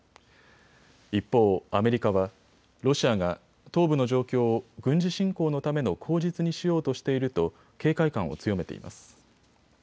一方、アメリカはロシアが東部の状況を軍事侵攻のための口実にしようとしていると警戒感を強めています。